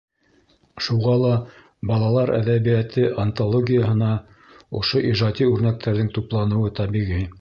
Шуға ла «Балалар әҙәбиәте антологияһы»на ошо ижади үрнәктәрҙең тупланыуы тәбиғи.